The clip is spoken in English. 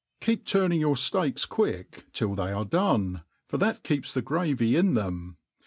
Keep turning jrpur fteaks quick till they are done, for that keeps the gravy in them.